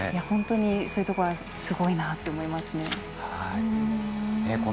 本当にそういうところすごいなと思いますね。